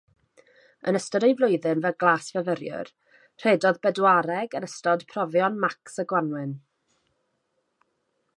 Yn ystod ei flwyddyn fel glasfyfyriwr, rhedodd bedwardeg yn ystod profion macs y gwanwyn.